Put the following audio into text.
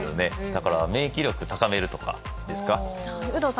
だから、免疫力を高めるとかですかね。